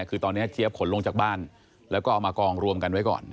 คือตอนนี้เจี๊ยบขนลงจากบ้านแล้วก็เอามากองรวมกันไว้ก่อน